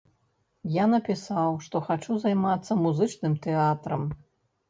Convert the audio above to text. Я напісаў, што хачу займацца музычным тэатрам.